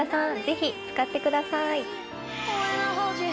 ぜひ使ってください。